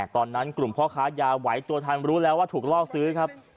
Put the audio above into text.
ตอนนั้นกลุ่มพ่อค้ายาไหวตัวทันรู้แล้วว่าถูกล่อซื้อครับ